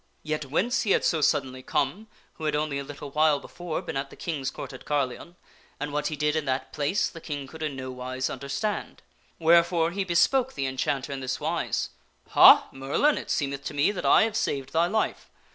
Yet whence he had so from the three suddenly come, who had only a little while before been at the King's Court at Carleon, and what he did in that place, the King could in no wise understand. Wherefore he bespoke the Enchanter in this wise, " Ha ! Merlin, it seemeth to me that I have saved thy life.